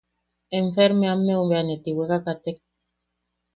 Enfermeammeu bea ne tiweka katek.